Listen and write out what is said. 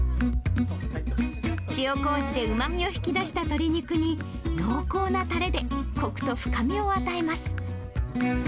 塩こうじでうまみを引き出した鶏肉に、濃厚なたれで、こくと深みを与えます。